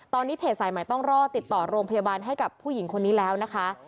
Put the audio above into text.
ตอนนี้เพจสายใหม่ต้องรอดติดต่อโรงพยาบาลให้กับผู้หญิงคนนี้แล้วนะคะ